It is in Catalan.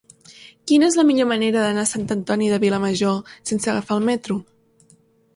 Quina és la millor manera d'anar a Sant Antoni de Vilamajor sense agafar el metro?